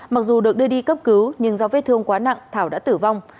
mặc dù được đưa đi cấp cứu nhưng do vết thương quá nặng thảo đã tử vong